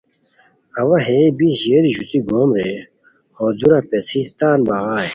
اوا ہئے بی ژیری ژوتی گوم رے ہو دورا پیڅھی تان بغائے